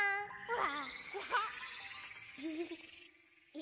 「わ！」